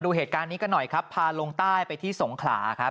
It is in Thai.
ดูเหตุการณ์นี้กันหน่อยครับพาลงใต้ไปที่สงขลาครับ